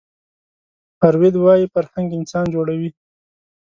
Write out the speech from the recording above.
فروید وايي فرهنګ انسان جوړوي